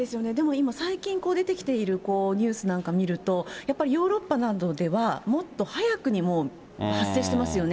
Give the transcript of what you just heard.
ただ最近出てきているニュースなんか見ると、やっぱりヨーロッパなどではもっと早くにもう発生してますよね。